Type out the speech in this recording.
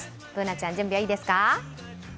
Ｂｏｏｎａちゃん、準備はいいですか？